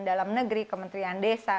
dalam negeri kementerian desa